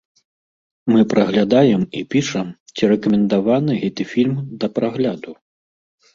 Мы праглядаем і пішам, ці рэкамендованы гэты фільм да прагляду.